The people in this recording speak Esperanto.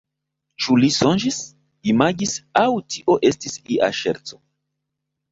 Ĉu li sonĝis, imagis aŭ tio estis ia ŝerco?